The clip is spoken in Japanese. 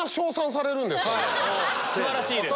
素晴らしいです。